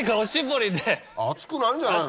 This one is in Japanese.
熱くないんじゃないの？